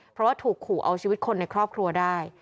เพราะว่าถูกขู่เอาชีวิตคนในครอบครัวได้